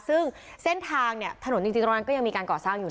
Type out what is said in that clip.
ซึ่งเส้นทางเนี่ยถนนจริงตรงนั้นก็ยังมีการก่อสร้างอยู่